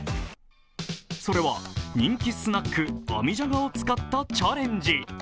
それは人気スナック、あみじゃがを使ったチャレンジ。